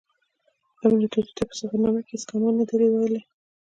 ابن بطوطه په سفرنامې کې هیڅ کمال نه دی ویلی.